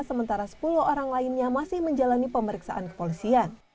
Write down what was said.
sementara sepuluh orang lainnya masih menjalani pemeriksaan kepolisian